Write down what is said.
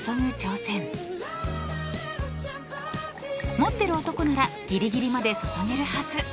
［持ってる男ならギリギリまで注げるはず］